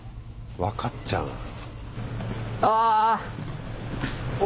分かっちゃう。